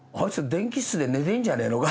電気室で寝てんじゃねえのか」